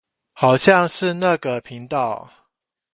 好像是那個頻道